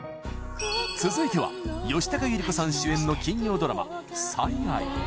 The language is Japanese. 続いては吉高由里子さん主演の金曜ドラマ「最愛」